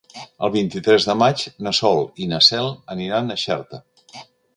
El vint-i-tres de maig na Sol i na Cel aniran a Xerta.